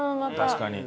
確かに。